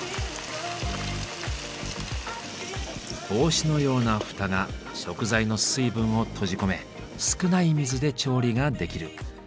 帽子のような蓋が食材の水分を閉じ込め少ない水で調理ができる。